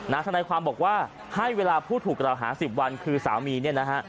นาธนาความบอกว่าให้เวลาพูดถูกกับเราหาสิบวันคือสามีเนี่ยนะฮะ